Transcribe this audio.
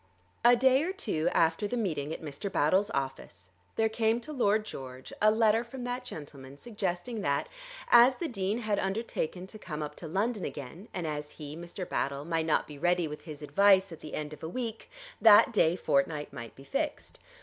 A day or two after the meeting at Mr. Battle's office there came to Lord George a letter from that gentleman suggesting that, as the Dean had undertaken to come up to London again, and as he, Mr. Battle, might not be ready with his advice at the end of a week, that day fortnight might be fixed.